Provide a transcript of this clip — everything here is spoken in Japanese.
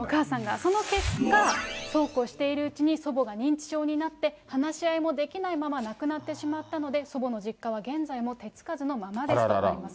その結果、そうこうしているうちに、祖母が認知症になって、話し合いもできないまま亡くなってしまったので、祖母の実家は、現在も手つかずのままですとあります。